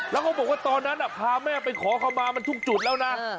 แล้วก็บอกว่าตอนนั้นพาแม่ไปขอเข้ามามันทุกจุดแล้วนะ